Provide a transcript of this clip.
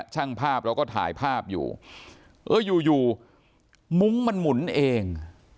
ช่างภาพเราก็ถ่ายภาพอยู่เอออยู่อยู่มุ้งมันหมุนเอง